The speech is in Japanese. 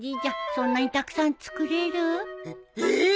そんなにたくさん作れる？えっ？ええ！？